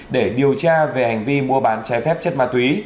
để điều tra về hành vi mua bán trái phép chất ma túy